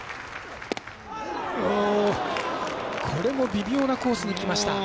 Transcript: これも微妙なコースにきました。